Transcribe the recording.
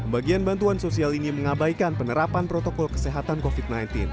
bagian bantuan sosial ini mengabaikan penerapan protokol kesehatan covid sembilan belas